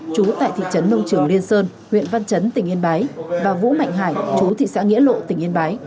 chú tại thị trấn nông trường liên sơn huyện văn chấn tỉnh yên bái và vũ mạnh hải chú thị xã nghĩa lộ tỉnh yên bái